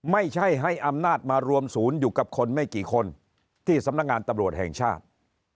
ไม่ใช่ให้อำนาจมารวมศูนย์อยู่กับคนไม่กี่คนที่สำนักงานตำรวจแห่งชาติ